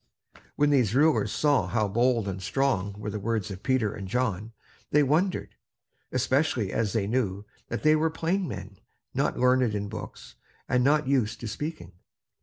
When these rulers saw how bold and strong were the words of Peter and John, they wondered, especially as they knew that they were plain men, not learned in books, and not used to speaking.